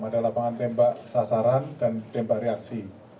ada lapangan tembak sasaran dan tembak reaksi